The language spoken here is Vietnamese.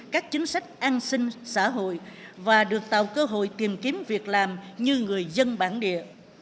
các chính sách an sinh xã hội và được tạo cơ hội tìm kiếm việc làm như người dân bản địa